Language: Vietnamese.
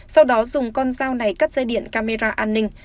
sau đó dùng con dao này cắt dây điện camera an ninh